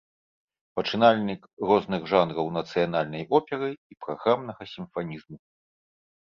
Пачынальнік розных жанраў нацыянальнай оперы і праграмнага сімфанізму.